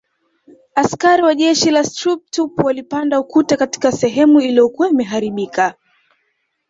Askari wa jeshi la Schutztruppe walipanda ukuta katika sehemu uliyokuwa imeharibika